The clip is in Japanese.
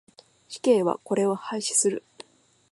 死刑はこれを廃止する。